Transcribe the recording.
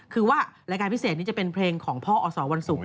คือว่ารายการพิเศษนี้จะเป็นเพลงของพ่ออสวันศุกร์